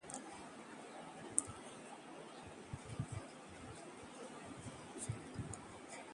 प्रकृति को आजाद करने की मांग रोमांटिक ख्याल भर नहीं